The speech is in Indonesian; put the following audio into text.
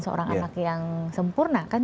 seorang anak yang sempurna kan